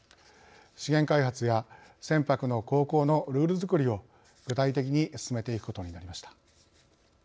資源開発や船舶の航行のルールづくりを具体的に進めていくことになりました。